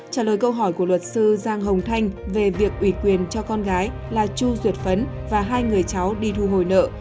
trả lời câu hỏi của luật sư giang hồng thanh về việc ủy quyền cho con gái là chu duyệt phấn và hai người cháu đi thu hồi nợ